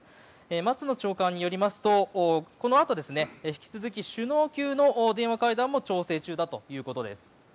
松野長官によりますとこのあとも引き続き首脳級の電話会談も調整中だということです。